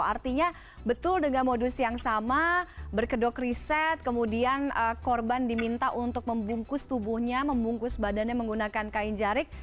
artinya betul dengan modus yang sama berkedok riset kemudian korban diminta untuk membungkus tubuhnya membungkus badannya menggunakan kain jarik